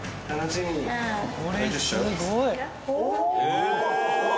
お！